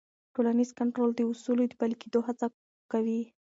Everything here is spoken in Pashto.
ټولنیز کنټرول د اصولو د پلي کېدو هڅه کوي.